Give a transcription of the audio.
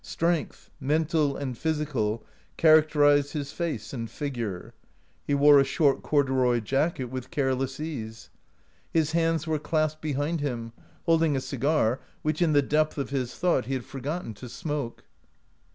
Strength, mental and physical, characterized his face and figure. He wore a short corduroy jacket with careless ease. His hands were clasped behind him, holding a cigar, which in the depth of his thought 16 OUT OF BOHEMIA he had forgotten to smoke.